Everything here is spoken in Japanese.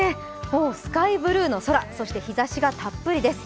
もうスカイブルーの空日ざしがたっぷりです。